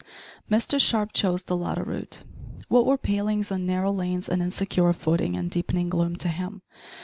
Mr Sharp chose the latter route. What were palings and narrow lanes and insecure footing in deepening gloom to him!